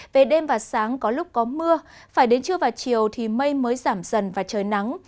về đêm và sáng có lúc có mưa phải đến trưa và chiều thì mây mới giảm dần và trời nắng